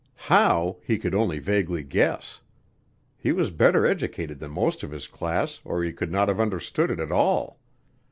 How, he could only vaguely guess. He was better educated than most of his class, or he could not have understood it at all.